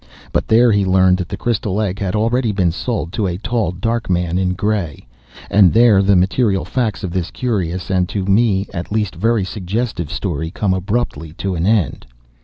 But there he learned that the crystal egg had already been sold to a tall, dark man in grey. And there the material facts in this curious, and to me at least very suggestive, story come abruptly to an end.